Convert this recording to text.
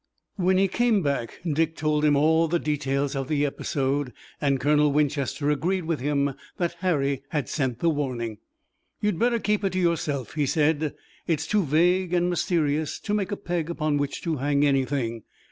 When he came back Dick told him all the details of the episode, and Colonel Winchester agreed with him that Harry had sent the warning. "You'd better keep it to yourself," he said. "It's too vague and mysterious to make a peg upon which to hang anything.